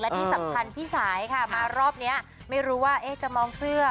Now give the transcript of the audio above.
และที่สำคัญพี่สายค่ะมารอบนี้ไม่รู้ว่าจะมองเสื้อ